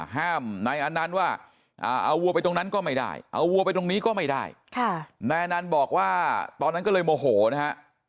ห้ามนายอันนั้นว่าเอาวัวไปตรงนั้นก็ไม่ได้เอาวัวไปตรงนี้ก็ไม่ได้นายอนันต์บอกว่าตอนนั้นก็เลยโมโหนะฮะ